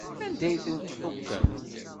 Anda ay ten-tḥukkemt?